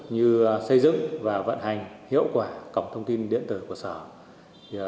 như xây dựng và vận hành hiệu quả cổng thông tin điện tử của sở